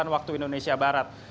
waktu indonesia barat